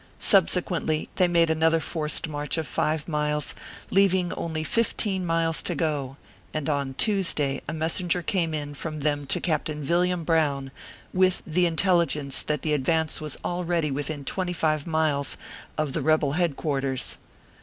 Subsequently they made another forced march of five miles, leaving only fifteen miles to go ; and on Tuesday, a messen ger came in from them to Captain Villiam Brown, with the intelligence that the advance was already within twenty five miles of the rebel head quarters.